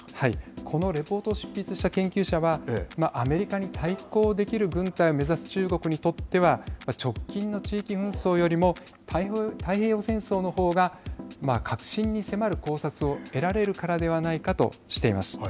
このレポートを執筆した研究者はアメリカに対抗できる軍隊を目指す中国にとっては直近の地域紛争よりも太平洋戦争の方が核心に迫る考察を得られるからではないかとしています。